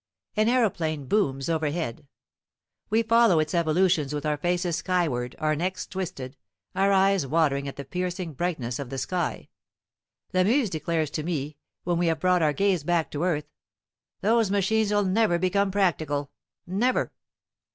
An aeroplane booms overhead. We follow its evolutions with our faces skyward, our necks twisted, our eyes watering at the piercing brightness of the sky. Lamuse declares to me, when we have brought our gaze back to earth, "Those machines'll never become practical, never."